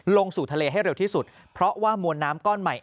ลงสู่ทะเลให้เร็วที่สุดเพราะว่ามวลน้ำก้อนใหม่